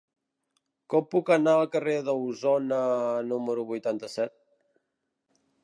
Com puc anar al carrer d'Ausona número vuitanta-set?